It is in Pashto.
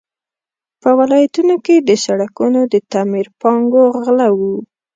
په ولایتونو کې د سړکونو د تعمیر پانګو غله وو.